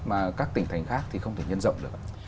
mà các tỉnh thành khác thì không thể nhân rộng được